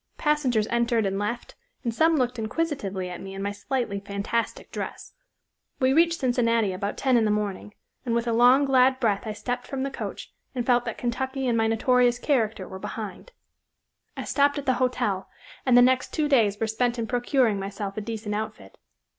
Passengers entered and left, and some looked inquisitively at me and my slightly fantastic dress. "We reached Cincinnati about ten in the morning, and with a long glad breath I stepped from the coach, and felt that Kentucky and my notorious character were behind. I stopped at the —— Hotel, and the next two days were spent in procuring myself a decent outfit.